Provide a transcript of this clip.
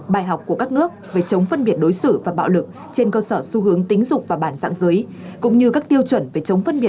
bài học của các nước về chống phân biệt đối xử và bạo lực trên cơ sở xu hướng tính dục và bản dạng giới